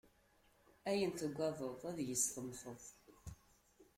Ayen tugadeḍ, ad yes-s temmteḍ.